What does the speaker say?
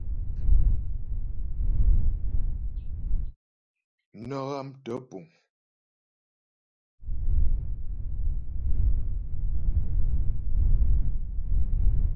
Nə́ ghámtə́ puŋ.